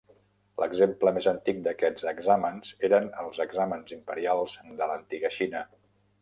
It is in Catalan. L'exemple més antic d'aquests exàmens eren els exàmens imperials de l'antiga Xina.